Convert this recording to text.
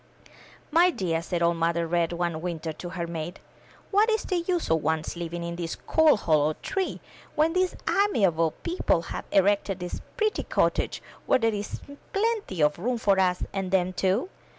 My dear,'' said old Mother Red one winter to her mate, 'Vhat is the use of one's living in this cold, hollow tree, when these amiable people have erected this pretty cottage where there is plenty of room for us and them too?